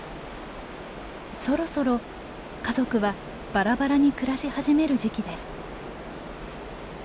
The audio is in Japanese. そろそろ家族はバラバラに暮らし始める時期です。